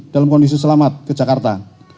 dalam kondisi selamat ke jakarta